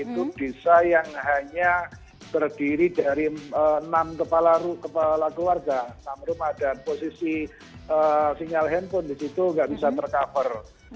itu desa yang hanya terdiri dari enam kepala keluarga enam rumah dan posisi sinyal handphone di situ nggak bisa tercover